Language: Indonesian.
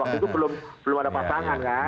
waktu itu belum ada pasangan kan